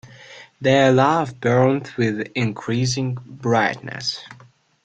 Their love burned with increasing brightness.